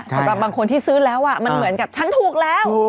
สำหรับบางคนที่ซื้อแล้วมันเหมือนกับฉันถูกแล้ว